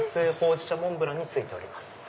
焙じ茶モンブランに付いてます。